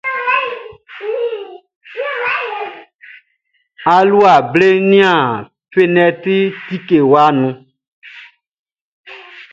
Alua ble nian fenɛtri tikewa nu.